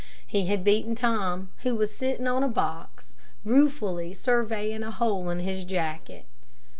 He had beaten Tom, who was sitting on a box, ruefully surveying a hole in his jacket.